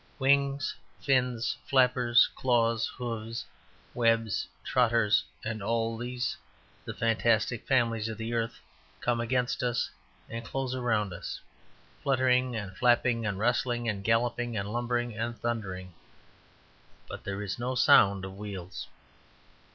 Wings, fins, flappers, claws, hoofs, webs, trotters, with all these the fantastic families of the earth come against us and close around us, fluttering and flapping and rustling and galloping and lumbering and thundering; but there is no sound of wheels.